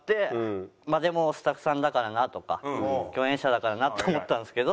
まあでもスタッフさんだからなとか共演者だからなと思ったんですけど。